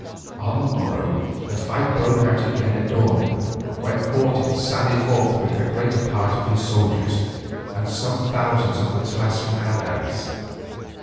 On the morrow the fight broke out again at dawn, when Cortes sallied forth with the greater part of his soldiers, and some thousands of his Tlascalan allies.